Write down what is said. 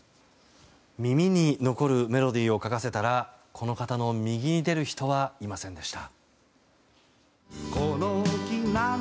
耳に残るメロディーを書かせたらこの方の右に出る人はいませんでした。